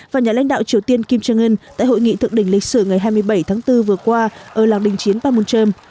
và nhà lãnh đạo triều tiên kim jong un tại hội nghị thượng đỉnh lịch sử ngày hai mươi bảy tháng bốn vừa qua ở làng đình chiến panmunjom